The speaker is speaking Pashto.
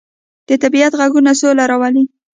د طبیعت غږونه سوله راولي.